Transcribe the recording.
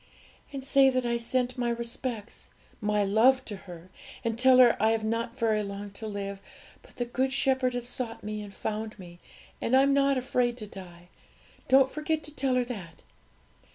'And say that I sent my respects my love to her; and tell her I have not very long to live, but the Good Shepherd has sought me and found me, and I'm not afraid to die. Don't forget to tell her that.'